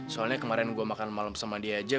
soalnya kemarin gue makan malam sama dia aja